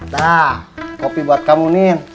dah kopi buat kamu nih